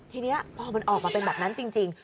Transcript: ทีนี้พอมันออกมาเป็นแบบนั้นจริง